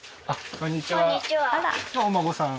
こんにちはお孫さん？